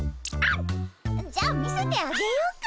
じゃあ見せてあげようかね。